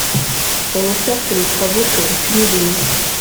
On espère que les travaux seront finis demain.